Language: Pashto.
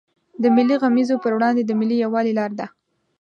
د ملي غمیزو پر وړاندې د ملي یوالي لار ده.